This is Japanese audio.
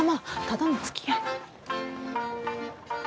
ただのつきあい。